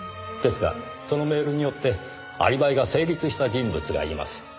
ですがそのメールによってアリバイが成立した人物がいます。